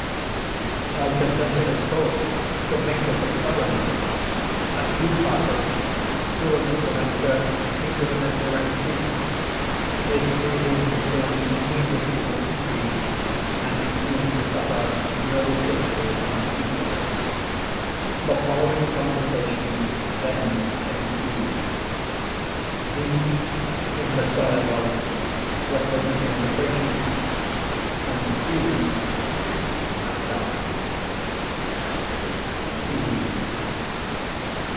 I consented of course to make this experiment. A few passes threw Mr. Vankirk into the mesmeric sleep. His breathing became immediately more easy, and he seemed to suffer no physical uneasiness. The following conversation then ensued:—V. in the dialogue representing the patient, and P. myself.